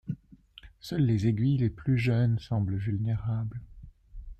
Seules les aiguilles les plus jeunes semblent vulnérables.